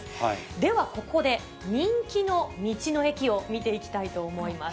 ではここで、人気の道の駅を見ていきたいと思います。